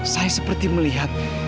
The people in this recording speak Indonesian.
saya seperti melihat